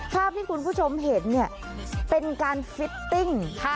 ภาพที่คุณผู้ชมเห็นเนี่ยเป็นการฟิตติ้ง